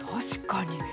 確かに。